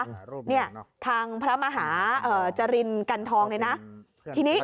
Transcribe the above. เนี่ยทางพระมหาเอ่อจรินกันทองเนี่ยนะทีนี้